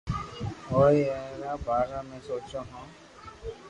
ھوئي اي ري بارا ۾ سوچو ھونن